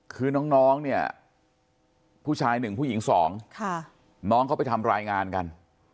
คือน้องเนี่ยผู้ชายหนึ่งผู้หญิงสองน้องเขาไปทำรายงานกัน